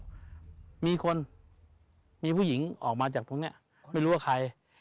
ก็มีคนมีผู้หญิงออกมาจากพวกนี้ไม่รู้ว่าใคร